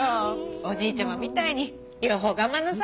おじいちゃまみたいに両方頑張りなさい。